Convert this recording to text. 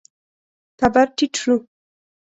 تبر ټيټ شو.